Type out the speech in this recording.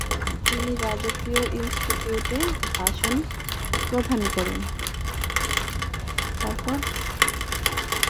তিনি রাজকীয় ইনস্টিটিউটে ভাষণ প্রদান করেন।